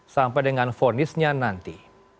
sampai dengan vonisnya nanti